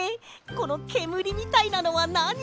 このけむりみたいなのはなに？